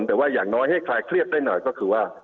แต่ว่าอย่างน้อยให้คลายเครียดได้หน่อยก็คือว่า